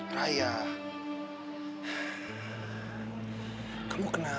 sepertinya ini kan berakhir bentuk